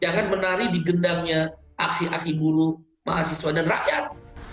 jangan menari digendangnya aksi aksi buruh mahasiswa dan rakyat